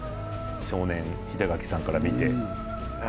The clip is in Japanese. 少年板垣さんから見て。